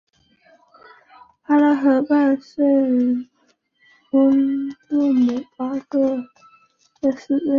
帕拉河畔圣贡萨洛是巴西米纳斯吉拉斯州的一个市镇。